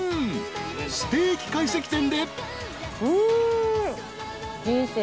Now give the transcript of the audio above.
［ステーキ懐石店で］